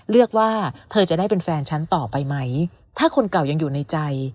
เลือกว่าเธอจะได้เป็นแฟนฉันต่อไปไหมถ้าคนเก่ายังอยู่ในใจ